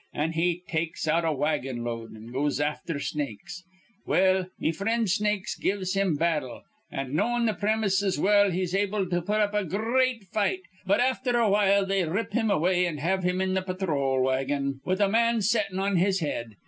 An' he takes out a wagon load, an' goes afther Snakes. Well, me frind Snakes gives him battle, an', knowin' th' premises well, he's able to put up a gr reat fight; but afther a while they rip him away, an' have him in th' pathrol wagon, with a man settin' on his head.